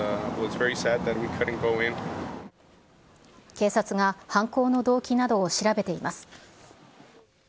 警察が犯行の動機などを調べています。